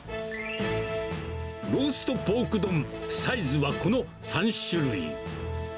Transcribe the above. ローストポーク丼、サイズはこの３種類。